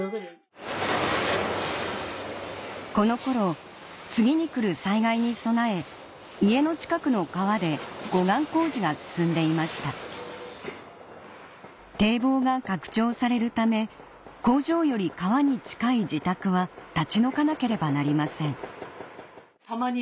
この頃次に来る災害に備え家の近くの川で護岸工事が進んでいました堤防が拡張されるため工場より川に近い自宅は立ち退かなければなりません